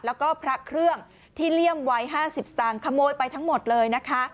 แล้วก็พระเครื่องที่เลี่ยมไว้๕๐สตางค์ขโมยไปทั้งหมดเลยนะคะ